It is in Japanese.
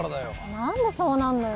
なんでそうなんのよ？